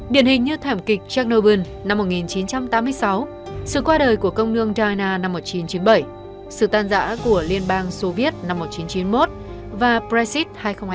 điển hình như thảm kịch chernobyl năm một nghìn chín trăm tám mươi sáu sự qua đời của công lương doina năm một nghìn chín trăm chín mươi bảy sự tan giã của liên bang soviet năm một nghìn chín trăm chín mươi một và brexit hai nghìn một mươi bốn